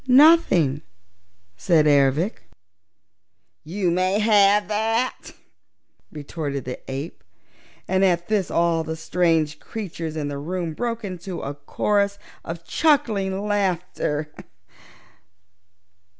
"Nothing," said Ervic. "You may have that!" retorted the ape, and at this all the strange creatures in the room broke into a chorus of cackling laughter.